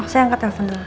saya angkat telepon dulu